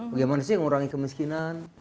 bagaimana sih ngurangi kemiskinan